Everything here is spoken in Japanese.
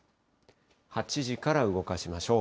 ８時から動かしましょう。